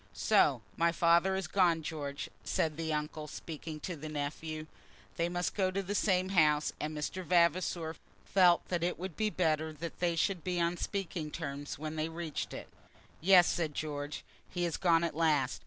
"So my father has gone, George," said the uncle, speaking to the nephew. They must go to the same house, and Mr. Vavasor felt that it would be better that they should be on speaking terms when they reached it. "Yes," said George; "he has gone at last.